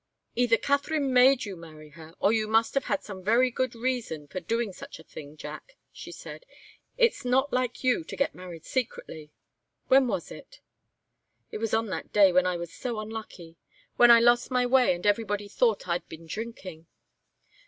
"Either Katharine made you marry her, or you must have had some very good reason for doing such a thing, Jack," she said. "It's not like you to get married secretly. When was it?" "It was on that day when I was so unlucky. When I lost my way, and everybody thought I'd been drinking."